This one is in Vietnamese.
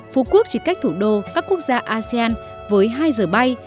phú quốc chỉ cách thủ đô các quốc gia asean với hai giờ bay